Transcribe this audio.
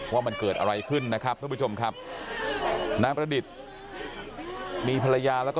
พ่อท่านไม่ได้รับนอนอ๋ออ๋อหัวใจหยินหยินลูก